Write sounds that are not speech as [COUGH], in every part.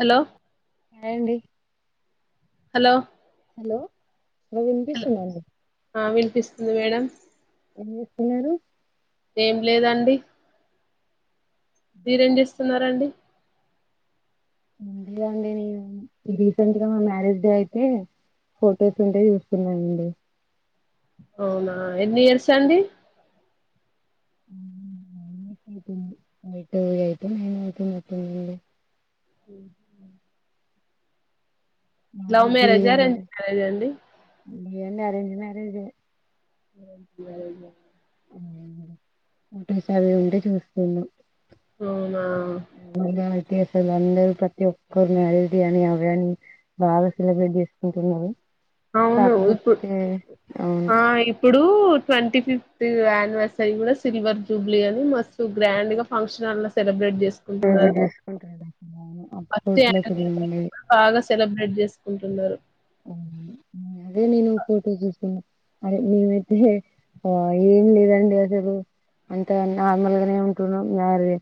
Hello ఏండి hello hello రవింద బి సనాాల ఎ మేడం ఎ విస్తను ఏం లేదండి మీరేం చేస్తున్నారండి అందుేగా అండి నేను రీసెంట్ గా మా మ్యారేజ్ డే అయితే ఫొటోస్ ఉంటే చూస్తున్నాయంండి అవునా ఎన్ని ఇయర్సా అండి యియితే నేనవుతు లవ్ మ్యారేజ్ డే మ్యారేజా అరేంజ్ మ్యారేజా అండి మ్యారేజ్ అ ఫొటోస్ అవి ఉంటే చూస్తున్నాం అవునా మళ్ళీ అయితే అసలు అందరు ప్రతి ఒక్కరు మ్యారేజ్ డే అని అవి అని బాగా సెలబ్రేట్ చేసుకుంటున్నారు అవును ఇప్పు కాకపోతే అవును ఆ ఇ ప్పుడు ట్వంటీ ఫిఫ్త్ యానివర్సరీ కూడా సిల్వర్ జూబ్లీ అని మస్తు గ్రాండ్ గా ఫంక్షన్ అ సెలబ్రట్ ఉహుహు బాగా సెలబ్రేట్ చేసుకుంటున్నారు అదే నేను ఫోటో చూస్తున్న అరే మేమైతే ఆ ఏం లేదండి అసలు అంతగా నార్మల్ గానే ఉంటున్నాం మరి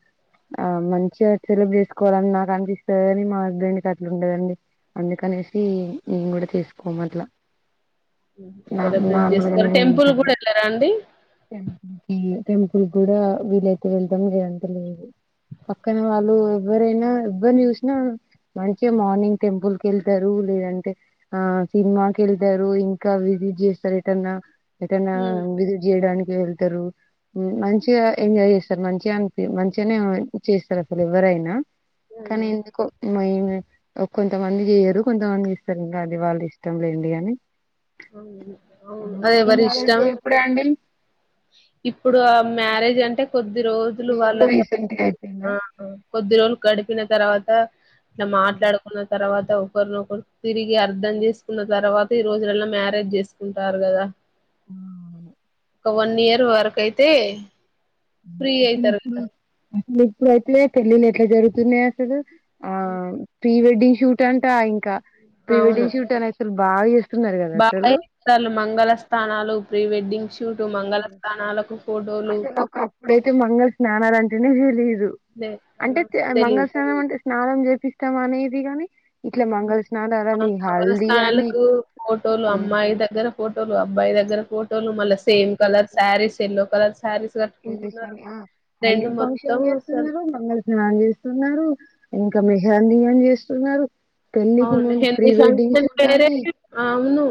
ఆ మంచిగా సెలబ్రేట్ చేసుకోవాలని నాకు అనిపిస్తది అని మా హస్బెండ్ కి అట్లుండదండి అందుకనేసి మేం కూడా చేసుకోము అట్లా నా సెలబ్రేట్ నార్మల్ గానే చేస్తారు టెంపుల్ ఉంటాను కూడా వెళ్ళరా అండి టెంపుల్ కి టెంపుల్ కూడా వీలైతే వెళ్తాం లేదంటే లేదు పక్కన వాళ్ళు ఎవ్వరైనా ఎవ్వరనీ చూసినా మంచిగా మార్నింగ్ టెంపుల్ కి వెళ్తారు లేదంటే ఆ సినిమాకెళ్తారు ఇంకా విజిట్ చేస్తారు ఎటన్నా ఏటన్నా ఉమ్. విజిట్ చేయడానికి వెళ్తారు ఉమ్ మంచిగా ఎంజాయ్ చేస్తారు మంచిగా అనిపి మంచిగానే చేస్తారు అసలు ఎవరైనా కానీ ఉమ్. ఎందుకో మేమే ఓ కొంతమంది చేయరు కొంతమంది చేస్తారు అది వాళ్ళ ఇష్టం లేండి అని అవును అవును అది ఎవరి ఇష్టం ఇప్పుడు ఆ మ్యారేజ్ అంటే కొద్ది కొద్ది రోజులు వాళ్ళతో ఆ కొద్ది రోజులు గడిపిన తర్వాత ఇట్లా మాట్లాడుకున్న తర్వాత ఒకరినొకరు తిరిగి అర్ధం చేసుకున్న తర్వాత ఈ రోజులలో మ్యారేజ్ చేసుకుంటారు కదా ఉమ్ ఒక వన్ ఇయర్ వరకయితే ఉ ఉహుహు ఉమ్ ఇప్పుడైతే పెళ్ళిళ ఎట్లా జరుగుతున్నాయి అసలు ఆ ప్రీ వెడ్డింగ్ షూట్ అంటా ఇంకా ప్రీవెడ్డింగు షూట్ అనేసరి బాగ చేస్తులు మంగళ స్థానాలు ప్రీ వెడ్డింగ్ షూట్ మంగళ స్థానాలకు ఫోట అసలు ఒక అప్పుడైతే మంగళ స్నానాలు అంటేనే తెలీదు అంటే తెలి మంగళ స్నానం అంటే స్నానం చేపిస్తాం అనేది కాని ఇట్లా మంగళస్నానం మంగళ స్థానాలకు ఫోటోలు ఉమ్, అమ్మాయి దగ్గర ఫోటోలు అబ్బాయి దగ్గర ఫోటో లు మళ్ల same colour saris yellow colour saris ఏంది కట్టుకుంటున్నారు ఈసారి ట్రెండ్ హల్దీ మొత్తం ఫంక్షన్ అసలు చేస్తున్నారు మంగళ స్నాం చేస్తున్నారు స్తున్నారు ఇంకా మెహందీ అని చేస్తున్నారు పెళ్ళికి అవును ముందు pre mehndi wedding function shoot వేరే అని అవును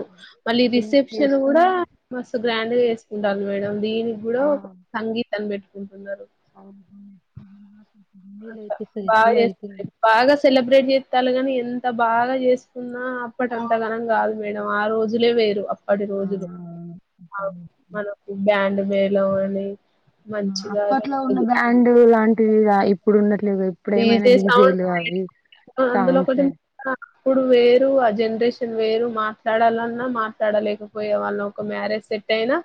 మళ్ళీ ఇన్ని రిసెప్షన్ కూడా చేస్తున్నారు మస్తు గ్రాండ్ గా చేసుకుంటారు మేడం దీనికి కూడా ఒక సంగీతం పెట్టుకుంటున్నారు ఆ హూ హుం [UNINTELLIGIBLE] అట్లా బాగా చేస్త బాగా సెలబ్రేట్ చేస్తారు కాని ఎంత బాగా చేసుకున్నా అప్పటి అంత ఘనం కాదు మేడం ఆ రోజులే వేరు అప్పటి ఆ రోజులు మనకు బ్యాండ్ మేళం అని హ్మ్ మంచిగా అప్పట్లో ఉన్న బ్యాండ్ లాంటివిగా ఇప్పుడున్నట్ లేవు ఇప్పుడు ఏమైనా డీజే సౌండ్ డీజేలు అవి అందులో సౌండ్స్ ఒకటి సే అప్పుడు వేరు ఆ జనరేషన్ వేరు మాట్లాడాలన్నా మాట్లాడలేకపోయే వాళ్ళం ఒక మ్యారేజ్ సెట్ అయినా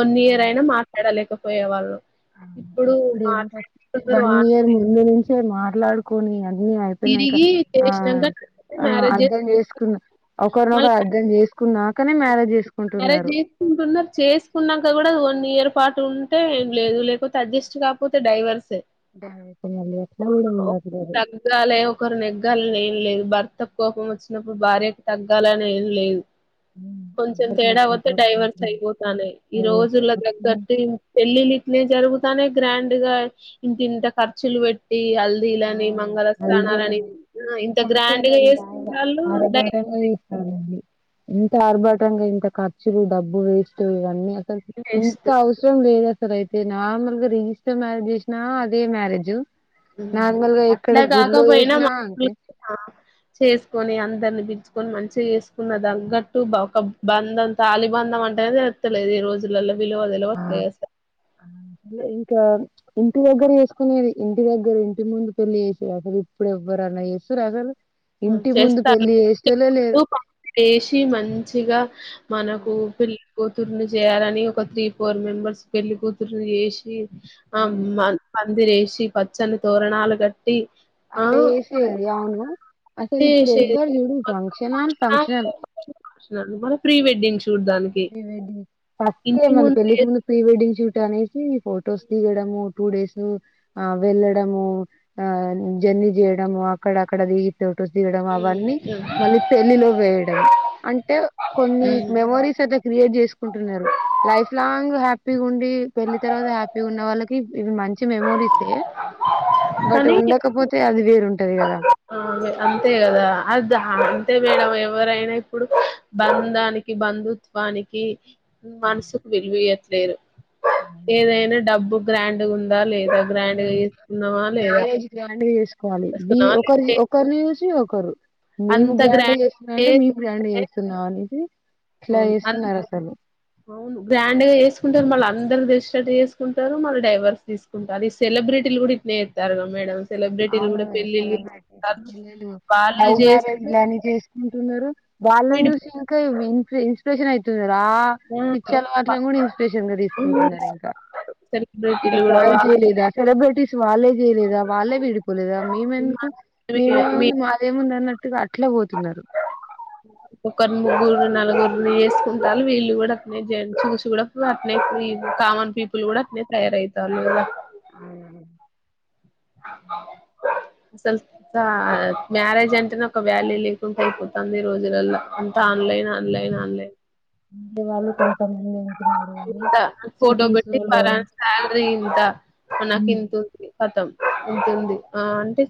వన్ ఇయర్ అయినా మాట్లాడలేకపోయే వాళ్ళం అవును ఇప్పుడేమో ఫ వన్ ఇయర్ ముందు నుంచే మాట్లాడుకొని అన్ నేను అయ్పోయినంక తిరిగి ఆ చేసినాక ఆ మ్యారేజ్ చేసు అర్థం చేసుకున్నా ఒకరినొకరు అర్థం జేసుకు కు నాకనే మ్యారేజ్ మ్యారేజ చేసుకుంటున్నారు జేస్కుంటున్నా చేసుకున్నాక కూడా న్ ఇయర్ పాటు ఉంటే ఏం లేదు లేకపోతే అడ్జస్ట్ కాకపోతే డైవర్సే దానికి మళ్ళీ అట్లా కూడా ఒక ఉండట్లేదు తగ్గలే ఒకరు నెగ్గ గ్గాలని ఏం లేదు భర్త కోపం వచ్చినప్పుడు భార్యకు తగ్గాలని ఏం లేదు ఉమ్, కొంచం ఎవరికి తేడా నచ్చినట్టు వత్తే వాళ్ళు డైవర్స్ ఉంటున్నారు అయిపోతనయ్ ఈ రోజుల అట్లా తగ్గట్టే పెళ్ళిళ్లు ఇట్నే జరుగుతా నయ గ్రాండ్ గా ఇంత ఇంత ఖర్చులు వెట్టి ఆ హల్దిలని మంగళస్థానలని అంతేనండి ఈ ఫంక్షన్ బాగా అర్బటం డైవర్స్ గా చేస్తారండి ఇంత ఆర్భాటంగా ఇంత ఖర్చులు డబ్బు వేస్ట్ ఇవన్నీ అసలు వేస్ట్ ఇంకా అవసరం లేదు స అయితే నార్మల్ గా రిజిస్టర్ మ్యారేజ్ చేసినా అదే మ్యారేజ్ నార్మల్ గా ఇక్కడ ఇట్లా గుళ్లో కాకపోయినా చేసినా అంతే చేసుకొని అందర్ అనిపించుకొని మంచిగా ఎసుకున్న దగట్టు ఒక బంధం తాలిబంధం అంటేనే తెలుత్తలేదు ఈ రోజులలో విలువ దెలవట్లే అసల్ ఇంకా ఇంటి దగ్గర ఎస్కునేది ఇంటి దగ్గర ఇంటి ముందు పెళ్ళి చేేసే అసలు ఇప్పుడు ఎవ్వరు అ అన్న ఎస్తుర అసలు ఇంటికి ముందు చేస్తారు పెళ్లి చేసేటోల్లే లేరు చేసి మంచిగా మనకు పి కూతుర్ని చేయాలని ఒక త్రీ ఫోర్ మెంబర్స్ పెళ్లి కూతుర్ని చేసి ఆ ఉమ్. మ మంది ఎసి పచ్చని తోరణాలు గ అట్లా ఎసేది అవును అసలు ఇప్పుడు చేసేది ఎవ్వరు చూడు ఫంక్షనాల్ ఫంక్షనల్ ఫంక్షనాలు మన ప్రీ వెెడ్డింగ్స్ ప్రీ వెడ్డింగ్ ఫస్టే మళ్ళ పెళ్ళికి ముందు ప్రీ వెడ్డింగ్ షూట్ అనేసి ఫొటోస్ దిగడము టూ డేస్ ఆ వెళ్ళడము ఆ జర్నీ జేయడము అక్కడ అక్కడది ఫోటోస్ దిగడం అవన్నీ మళ్ళీ పెళ్లిలో వేయడం అంటే కొన్ని మెమోరీస్ క్రియేట్ చేసుకుంటున్నారు లైఫ్ లాంగ్ హ్యాపీగా ఉండి పెళ్లి తర్వాత హ్యాపీగా ఉన్న వాళ్ళకి ఇవి మంచి మెమోరీసే బట్ కానీ ఉండకపోతే అది వేరుంటది కదా ఆ అంతే కదా అది అంతే మేడం ఎవరైనా ఇప్పుడు బంధానికి బంధుత్వానికి మనసుకు విలువయట్లేరు ఏదైనా డబ్బు గ్రాండ్ గుందా లేదా గ్రాండ్ గా చేస్కున్నామ లేదా కోలి వి చేసుకున్నామా ఒకరి లే ఒకరిని జూసి ఒకరు మేము గ్రాండ్ చేస్తున్నా అంటే మేము గ్రాండ్ చేస్తున్నాం అనే సి అవును అ అవును గ్రాండ్ గ జేసు కుంటారు మళ్ళ అందరు తెలిసేటట్టు చేసుకుంటారు మళ్ళీ డైవర్స్ తీస్కుంటారు ఈ సెలబ్రిటీలు గూడా ఇట్నేఎత్తరు గ మేడం సెలబ్రిటీలు అవును కూడా పెళ్ళిళ్ళు సెలబ్రిటీస్ చేసుకుంటారు పిల్లలు వాళ్ళు లవ్ మ్యారేజ్ చేసారు లని జేస్కొని టున్నారు వాళ్ళని విడి చూసి ఇంకా ఇన్ ఇన్స్పిరేషన్ అవుతున్నారు రా పిచ్చోల మాటలు కూడా ఇన్స్పిరేషన్ గా తీసుకుంటున్నారు ఇంక ఇంక సెలబ్రిటీలు కూడా వాళ్ళ్ జేయలేదా సెలబ్రిటీస్ వాళ్ళే చేయలేదా వాళ్ళే వి లేదా మేమ్ ఎందుకు మీ మేమేముంది మాదే ముంది అన్న త్తుగా అట్లే ఒతున్నారు ఒకర్ ముగ్గురు నలుగురిని ఎసుకుంటాలు వీళ్ళు గూడా అట్నే జ చూసి కూడా అట్నే కామన్ పీపుల్ కూడా అట్నే తయారయ్ తళ్ళు కద అయను అసల్ తా మ్యారేజ్ అంటేనే ఒక వ్యాల్యూ లేకుంట అయిపోతంది ఈ రోజులల్లో అంత ఆన్లైన్ ఆన్లైన్ ఆన్లైన్ ఉండే వాళ్ళు కొంతమంది ఉంటున్నారు గానీ ఇంత ఫోటో సిటీస్ పెట్టి లో ఫర శాలరీ ఇంత మ నాకు హ్మ్ ఇంతంది కతం ఎంతంది ఆ అంటే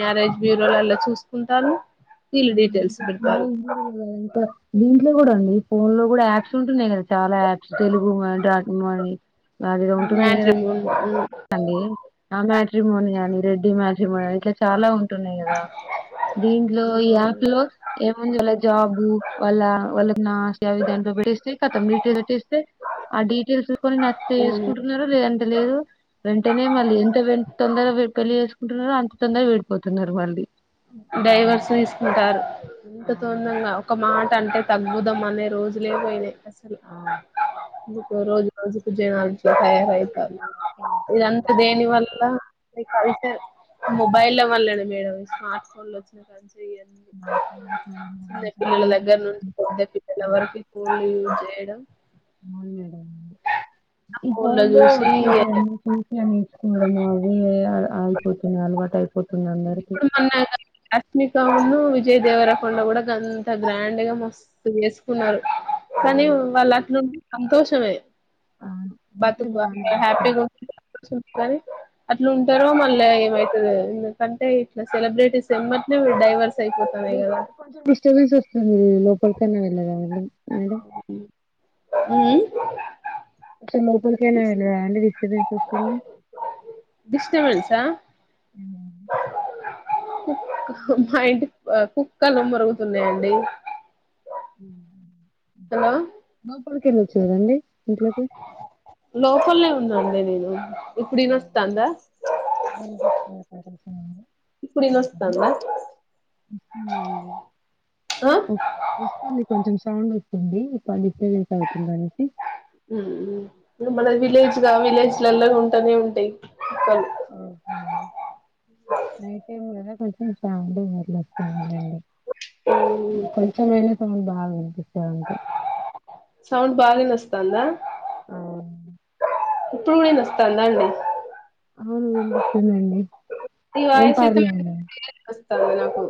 మ్యారేజ్ బ్యూరో లో ఎలా చూసుకుంటాను ఆ ఇప్ప మ కూూడద ఇప్ప దీంట్లో కూడా అండి ఫోన్ లో కూడా యాప్స్ ఉంటున్నాయి కదా చాలా యాప్స్ తెలుగు గుడ్ మార్ని గడిలో ఉంటుంది మ్యాట్రిమోన్ అండి ఆ మ్యాట్రిమోన్ గానీ రెడ్డి మ్యాట్రిమోన్ ని ఇట్లా చాలా ఉంటున్నాయి కదా దీంట్లో ఈ యాప్ లో ఏముంది వా జాబు వాళ్ళ వాళ్ళకి నా సే విధా ేతం డటెయిస్ పెట్టేస్తే ఆ డీటెయిస్ కొనిేసుకుంటున్నారో లేద లేదు వెంటనే మళ్ళీ ఎంత తొందర పెళ్ళలి చేసుకుంటున్నారు అంత తొందగా విడిపోతున్నారు వాళ్ళీ డైవర్స్ తీసుకుంటారు ఎంత తొందంగా ఒక మాట అంటే తగ్బుదమ్ం అనే రోజులే పోయినాయి అసలు ఇందుకో రోజు రోజుకు జనాలు తయారైతారు ఇదంతా దేని వల్ల మొబైల్ వల్లనే మేడం స్మార్ట్ ఫోన్ లో వచ్చిన చెడి స్మార్ట్ ఫోన్స్ చిన్న మొబైల్స్ పిల్లల దగ్గర టీవీస్ నుండి పెద్ద పిల్లల వరకు ఎడం అవును మేడం ఆ ఈ ఫోన్లో బోన్లు చూసి చీటి అన్ని చూసి అన్ని ఇచ్చుకోవడము అది అయిపోతుంది అలవాటు అయితుంది దడు మన్ రష్మికవును విజయ్ దేవర కొొండ కూడా అంత గ్రాండ్ గా మస్తు వేసుకున్నారు కానీ అవును వాళ్ళ అట్ నుడి సంతోషమే అవును అంతే బతుకు బానే జేస్తారు. హ్యాపీగా ఉ అట్లా ఉంటారో మళ్ళీ ఏమైతుంది ఎందుకంటే ఇట్లా సెలబ్రిటీస్ ఎమటినేరు డైవర్స్ అయిపోతున్నాయి కదా కొంచెం డిస్టర్బెన్స్ వస్తుంది లోపలికన్నా వెళ్ళగాాళ మేడం అ మపు వెలద అడి విశ విశ్వ మస కు మా ఇంటి కుక్కలు మరుగుతున్నాయంండి లోపలికి వెళ్ళి వచ్చదండి ఇంట్లోకి లోపల్ ఉందండి నేను ఇప్పుడునస్తాందా ఆ ఇప్పుడు ఇనొస్తాందా ఆ వస్తుంది కొంచెం సౌండ్ వ ఉడి ఇ పడిచ్చస అవుతున్నానే మన విలేజ్గా విలేజ్ లా ఉంటూనే ఉంటాయి ఆఓహ న టై ము కస చ వరల మ్మ్ కొంచెమ అైనా సమం బాగా వినిపిస్తారంటే సౌండ్ బగా నస్త అందా ఆ ప్పుూణ నస్త నండ అవును వినిపిస్తుందండి ఏం పర్లేదు తమ నాకు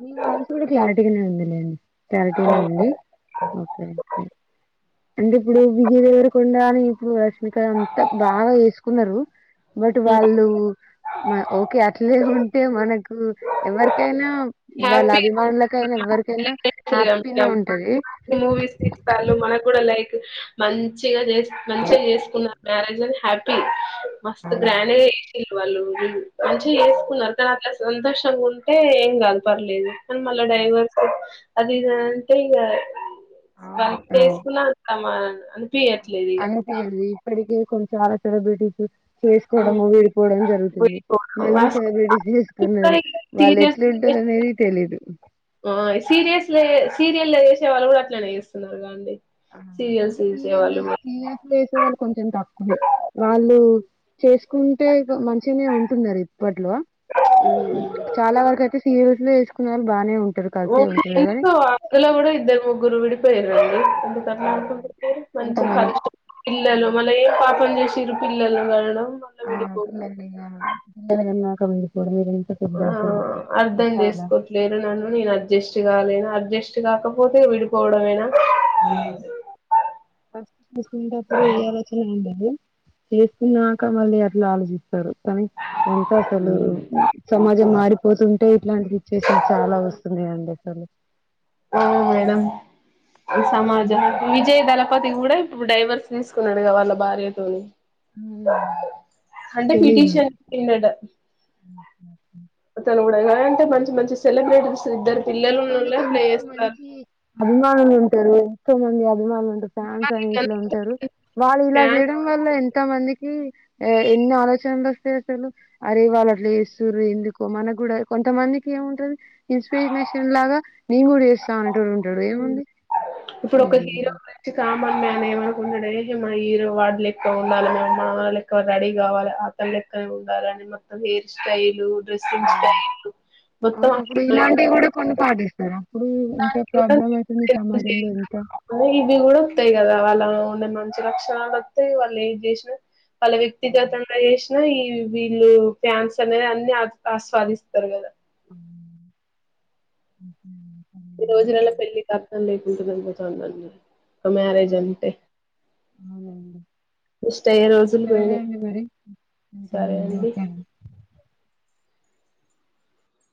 మీ వాయిస్ కూడా క్లారిటీగానే ఉందిలేండి చాలదనే అండి ఓకే అంటే ఇప్పుడు విజయ దగగరకొండడా అని ఇప్పుడు రశమిక అంతా బాగా వేసుకున్నారు బట్ వాళ్ళు ఓకే అట్లే ఉంటే మనకు ఎవరికైనా వాళ్ళ హ్యాపీ అభిమానులకైనా ఎవరికైనా హ్యాపీనే ఉంటది మూవీస్ ఇస్త మనకు కూడా లైక్ మంచిగా చే మంచిగా చేసుకున్నారు మ్యారేజ్ అని హ్యాపీ మస్తు గ్రాండ్గా వ వాళ్ళుళ్ళు మంచిగా చేేసుకున్నారు కానీ అట్లా సంతోషంగా ఉంటే ఏం కాదు పర్లేదు కానీ మళ్ళా డైవర్స్ అది ఇద అంటే ఇంగ వ చేసుకున్నా తమ అ అంతే అండి ఇప్పటి కొంచెం చాలా సెలబ్రిటీస్ ఇగ చేసుకోవడము విడిపోవడం జరుగుతుంది మళ్ళీ సెలబ్రిటీ చేసుకున్నారు వాళ్ళు ఎట్లుంట టారు అనేది తెలిదు ఆ సీరియల్స్ సీరియల్ చేసే వాళ్ళు కూడా అట్లనే చేస్తున్నారు గా అండి సీరియల్స్ అంటే సీరియల్ లో చేసేవాళ్ళు సిరి చేసే వాళ్ళు కొంచెం తక్కువే వాళ్ళు చేసుకుంటే మంచిగానే ఉంటున్నారు ఇప్పట్లో చాలా వరకు అయితే సీరియల్స్లో చేసుకున్న వాళ్ళు బాగానే ఉం వాళ్లలో కూడా ఇద్దరు ముగ్గురు విడిపోయిర్రండి ఇందు ఆ! కర్ణ మంచిగా కొంతమంది పిల్లలు మళ్ళ ఏం పాపం చేస్ తిరుపిల్లలు కనడం మళ్ళీ ఆ విడిపోవడం [UNINTELLIGIBLE] పెద్ద ఆ అసలు అర్ధం చాలా. చేసుకోట్లేరు నన్ను నేను అడ్జస్ట్ కాలేను అడ్జస్ట్ కాకపోతే విడిపోవడంమేనా ఆ ఫస్ట్ చేసుకునేటప్పుడు ఏ ఆలోచన ఉండదు చేస్తున్నాక మళ్ళీ అట్లా ఆలోచిస్తారు కని ఎంత అసలు సమాజం మాడిపోతుంటే ఇట్లాంటి సిట్యువేషన్స్ చాలా వస్తున్నాయి అండి అసలు ఆ మేడం సమాజనికి విజయ దళపతి కూడా ఇప్పుడు డైవర్స్ తీసుకున్నాడుగా వాళ్ళ భార్యతోని హ్మ్. అంటే పిటీషన్ పెట్టిందంట ఉమ్ హు కూడా అంటే మంచి మంచి సెలబ్ర్రిటీ మంచి మంచి వాళ్ళకి ఎంతో మంచి అభిమానులు ఉంటారు ఎంతో మంది ఫాన్స్ అని ఇట్ల ఉంటారు వాళ్ళు ఇలా ఫ్యాన్ చేయడం వల్ల ఎంత మందికి ఎన్ని ఆలోచనలు అసలు అరే వాళ్ళు అట్లా చేస్తురు ఎందుకో మనకు కూడా కొంతమందికి ఏముంటది ఇన్స్పిరేషన్ లాగా నేను కూడా చేస్తా అనేటోడు ఉంటడు ఏముంది ఉమ్ మ మేనే ఏమనుకుంటాడే ఈరు వాడలు ఎక్కువ ఉండాలి మేము మన వాళ్ళ ఎకువ రెడీ కావాలి అతల్లి క ఉండాలని మొత్తం హేయిర్ స్టైలు డ్రెస్సింగ్ స్టైలు ఉ మొత్తం ఆ హీరో లెక్కనే ఉండాలే అప్పుడు ఆ ఇంత ప్రాబ్లం అయితుంది సమాజంలో ఇంత ఇవి కూడా వత్తాయి కదా ఉండ మంచి క్షణాలు వత్తే వాళ్ళు ఏది చేసిన వాళ్ళ వ్యక్తిగతంగా చెస్ ఈ వీళ్ళు ప్యాన్స్ అనేది అన్ని ఆస్వా ఆస్వాదిస్తారు కదా ఉమ్ ఉమ్ హు ఈ రోజు నెల పెళ్ళలి కత్నం లేకుంటు వెళపోతా ఉందం ఒక మ్యారేజ్ అంటే ఇస్ అయ్యే రోజులు పోయినయ్ సరే ఇంతమంది అండి ఓకే